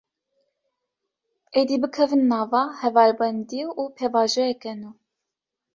Êdî, bikevin nava hevalbendî û pêvajoyeke nû